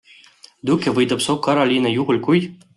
Duke võidab South Carolinat juhul, kui...